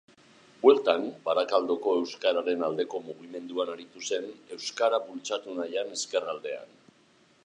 Bueltan Barakaldoko euskararen aldeko mugimenduan aritu zen, euskara bultzatu nahian ezkerraldean